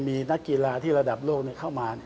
มีนักกีฬาที่ระดับโลกเข้ามา